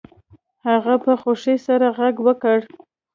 هغه په خوښۍ سره غږ وکړ